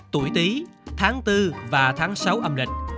tuổi tí tháng bốn và tháng sáu âm lịch